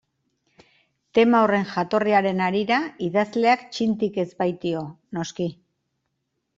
Tema horren jatorriaren harira idazleak txintik ez baitio, noski.